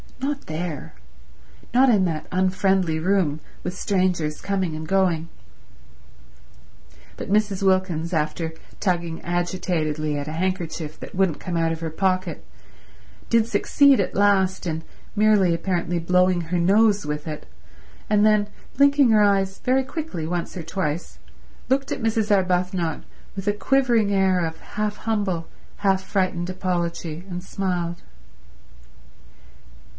Not there. Not in that unfriendly room, with strangers coming and going. But Mrs. Wilkins, after tugging agitatedly at a handkerchief that wouldn't come out of her pocket, did succeed at last in merely apparently blowing her nose with it, and then, blinking her eyes very quickly once or twice, looked at Mrs. Arbuthnot with a quivering air of half humble, half frightened apology, and smiled.